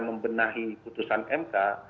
membenahi putusan mk